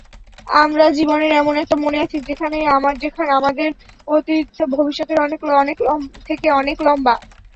আমারা জীবনের এমন একটা মোড়ে আছি, যেখান আমাদের অতীত ভবিষ্যতের থেকে অনেক লম্বা।